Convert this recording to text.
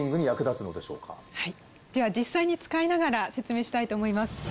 はいでは実際に使いながら説明したいと思います。